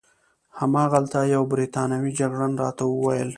هماغلته یوه بریتانوي جګړن راته وویل.